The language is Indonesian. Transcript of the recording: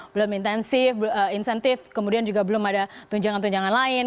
belum intensif insentif kemudian juga belum ada tunjangan tunjangan lain